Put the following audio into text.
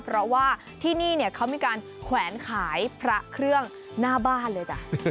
เพราะว่าที่นี่เนี่ยเขามีการแขวนขายพระเครื่องหน้าบ้านเลยจ้ะ